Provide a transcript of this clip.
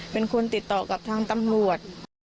เป็นคนติดต่อกับทางตำรวจ